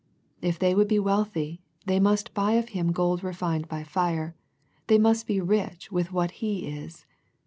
If they would be wealthy, they must buy of Him gold refined by fire, they must be rich with what He is.